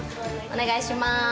お願いします。